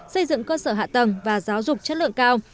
xây dựng cơ sở hạ tầng và giáo dục chất lượng cao